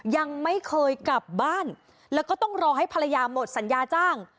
ยังไม่เคยกลับบ้านแล้วก็ต้องรอให้ภรรยาหมดสัญญาจ้าง